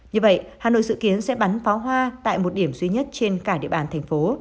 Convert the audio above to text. như vậy hà nội dự kiến sẽ bắn pháo hoa tại một điểm duy nhất trên cả địa bàn thành phố